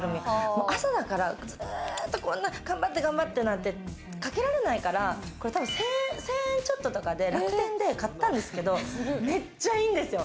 朝だから、ずっと頑張ってなんて、かけられないから、１０００円ちょっととかで楽天で買ったんですけれど、めっちゃいいんですよ。